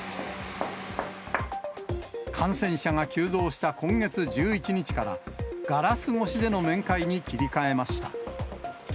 感染者が急増した今月１１日から、ガラス越しでの面会に切り替えました。